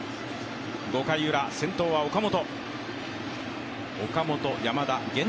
５回ウラ、先頭は岡本。